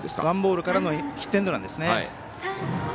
ワンボールからのヒットエンドランですね。